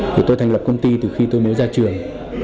thì tôi thành lập công ty từ khi tôi mới ra trường